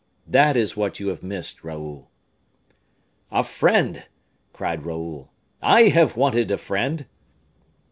That is what you have missed, Raoul." "A friend!" cried Raoul, "I have wanted a friend!"